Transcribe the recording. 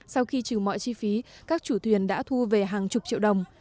sau khi trừ mọi chi phí các chủ thuyền đã thu về hàng chục triệu đồng